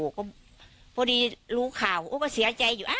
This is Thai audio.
โบดีก็รู้ข่าวเชื่อใจอยู่